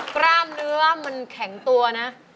กล้ามเนื้อมันแข็งตัวนะ